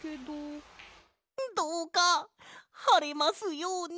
どうかはれますように！